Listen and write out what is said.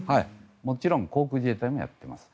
もちろん航空自衛隊もやってます。